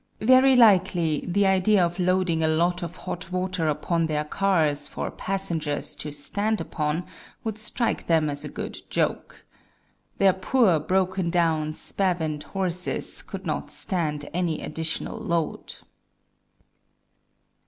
Very likely the idea of loading a lot of hot water upon their cars, for passengers to stand upon, would strike them as a good joke. Their poor, broken down, spavined horses, could not stand any additional load.